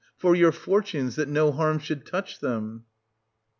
— for your fortunes, that no harm should touch 1740 them.